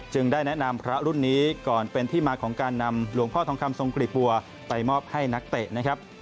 ได้แนะนำพระรุ่นนี้ก่อนเป็นที่มาของการนำหลวงพ่อทองคำทรงกรีบบัวไปมอบให้นักเตะนะครับ